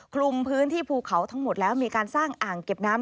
คลุมพื้นที่ภูเขาทั้งหมดแล้วมีการสร้างอ่างเก็บน้ำ